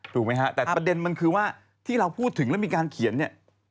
ถูกไหมฮะแต่ประเด็นมันคือว่าที่เราพูดถึงแล้วมีการเขียนเนี่ย